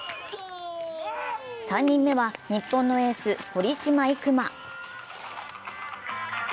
３人目は日本のエース・堀島行真。